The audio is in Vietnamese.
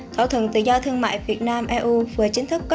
thỏa thuận tự do thương mại việt nam eu vừa chính thức kết thúc